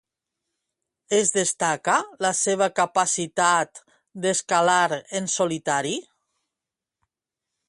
Es destaca la seva capacitat d'escalar en solitari?